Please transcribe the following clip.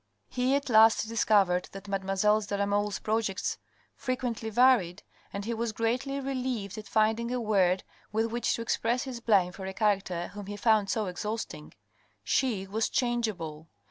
He at last discovered that mademoiselle de la Mole's projects frequently varied, and he was greatly relieved at find 486 THE RED AND THE BLACK ing a word with which to express his blame for a character whom he found so exhausting. She was changeable.